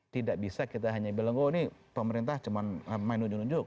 tidak bisa kita hanya bilang oh ini pemerintah cuma main nunjuk nunjuk